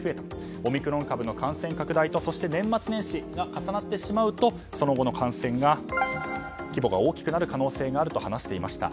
オミクロン株の感染拡大と年末年始が重なってしまうとその後の感染が規模が大きくなる可能性があると話していました。